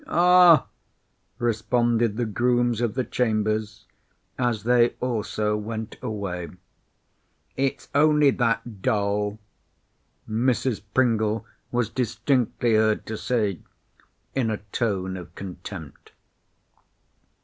"Ah!" responded the grooms of the chambers, as they also went away. "It's only that doll," Mrs. Pringle was distinctly heard to say, in a tone of contempt.